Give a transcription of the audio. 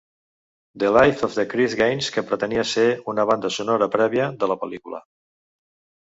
The Life of Chris Gaines, que pretenia ser una "banda sonora prèvia" de la pel·lícula.